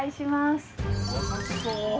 優しそう。